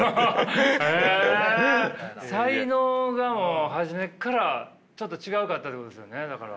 へえ才能がもう初めっからちょっと違うかったってことですよねだから。